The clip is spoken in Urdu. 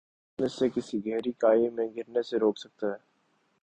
تو کون اسے کسی گہری کھائی میں گرنے سے روک سکتا ہے ۔